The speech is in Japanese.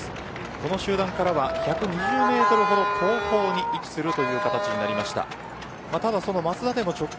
この集団からは１１０メートルほど後方に位置することになりました。